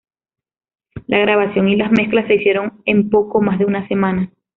La grabación y las mezclas se hicieron en poco más de una semana.